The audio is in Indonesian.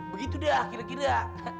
begitu dah kira kira